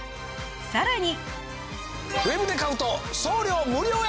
さらに。